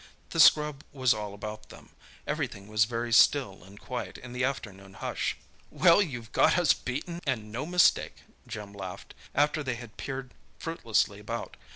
The scrub was all about them; everything was very still and quiet in the afternoon hush. "Well, you've got us beaten and no mistake!" Jim laughed, after they had peered fruitlessly about.